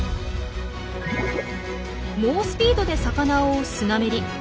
猛スピードで魚を追うスナメリ。